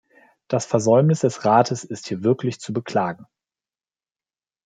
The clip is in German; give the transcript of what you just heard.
Das Versäumnis des Rates ist hier wirklich zu beklagen!